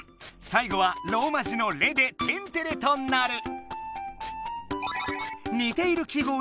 最後はローマ字の「Ｒｅ」で「テんテＲｅ」となる！